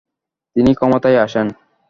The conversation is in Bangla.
তিনি ক্ষমতায় আসেন।